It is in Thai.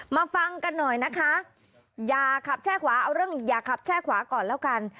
ฟังกันหน่อยนะคะอย่าขับแช่ขวาเอาเรื่องอย่าขับแช่ขวาก่อนแล้วกัน